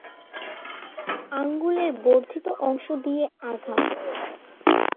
আঙ্গুলের বর্ধিত অংশ দিয়ে আঘাত।